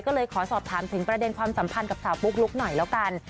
ก็เลยขอสอบถามถึงประเด็นความสัมพันธ์กับสาวปุ๊กลุ๊กหน่อยแล้วกัน